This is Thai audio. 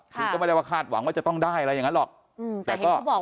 คือก็ไม่ได้ว่าคาดหวังว่าจะต้องได้อะไรอย่างนั้นหรอกแต่ก็บอก